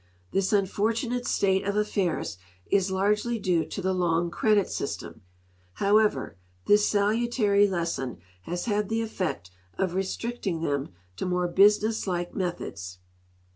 This unfortunate state of affairs is largely due to the long credit system. However, this salutary lesson has had the effect of restricting them to more business like meth ods.